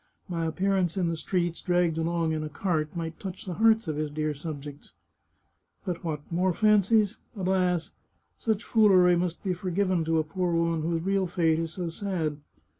My appearance in the streets, dragged along in a cart, might touch the hearts of his dear subjects ... but what! more fancies? Alas! such foolery must be forgiven to a poor woman whose real fate is so sad.